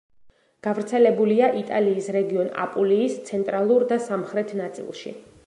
გავრცელებულია იტალიის რეგიონ აპულიის ცენტრალურ და სამხრეთ ნაწილში.